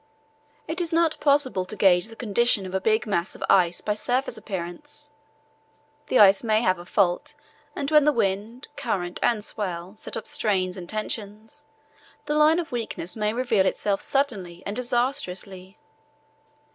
It is not possible to gauge the condition of a big mass of ice by surface appearance. The ice may have a fault, and when the wind, current, and swell set up strains and tensions, the line of weakness may reveal itself suddenly and disastrously.